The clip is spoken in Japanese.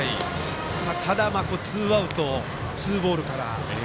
ただツーアウト、ツーボールから。